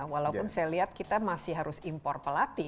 walaupun saya lihat kita masih harus impor pelatih